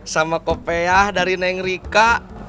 sama kopeah dari nengrika